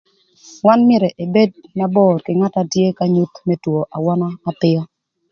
Wan myero ebed na bor kï ngat na tye k'anyuth më two awöna apïö.